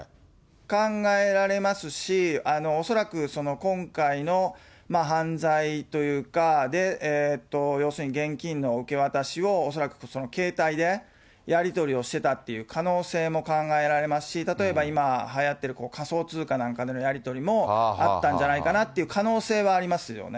考えられますし、恐らく今回の犯罪というか、要するに現金の受け渡しを、恐らくその携帯でやり取りをしていたっていう可能性も考えられますし、例えば、今はやっている仮想通貨なんかでのやり取りもあったんじゃないかという可能性はありますよね。